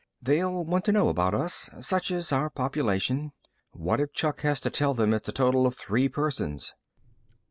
They'll want to know about us, such as our population. What if Chuck has to tell them it's a total of three persons?"